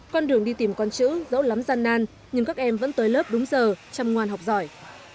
con đường đi tìm con chữ dẫu lắm gian nan nhưng các em vẫn tới lớp đúng giờ chăm ngoan học giỏi